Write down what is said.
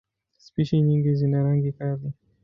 Spishi nyingi zina rangi kali.